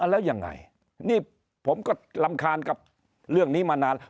แล้วยังไงนี่ผมก็รำคาญกับเรื่องนี้มานาน